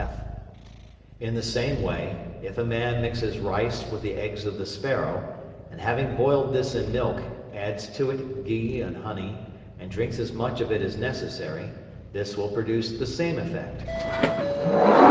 (f). In the same way, if a man mixes rice with the eggs of the sparrow, and having boiled this in milk, adds to it ghee and honey, and drinks as much of it as necessary, this will produce the same effect.